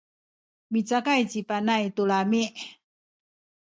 micakay ci Panay tu lami’.